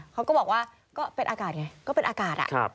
เขาก็บอกว่าก็เป็นอากาศไงก็เป็นอากาศ